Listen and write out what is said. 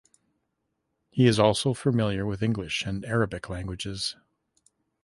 He is also familiar with English and Arabic languages.